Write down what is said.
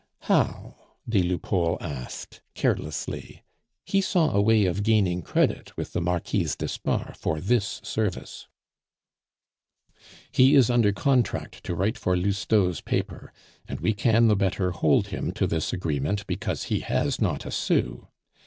"How?" des Lupeaulx asked carelessly. He saw a way of gaining credit with the Marquise d'Espard for this service. "He is under contract to write for Lousteau's paper, and we can the better hold him to his agreement because he has not a sou.